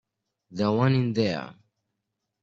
The one in there.